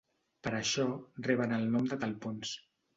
Per això reben el nom de talpons.